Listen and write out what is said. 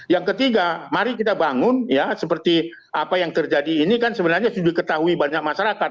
yang ketiga mari kita bangun ya seperti apa yang terjadi ini kan sebenarnya sudah diketahui banyak masyarakat